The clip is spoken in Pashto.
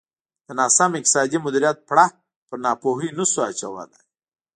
د ناسم اقتصادي مدیریت پړه پر ناپوهۍ نه شو اچولای.